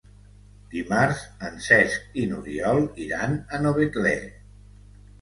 Dimarts en Cesc i n'Oriol iran a Novetlè.